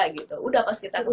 gitu udah pas kita ke toko